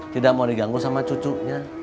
tidak mau diganggu sama cucunya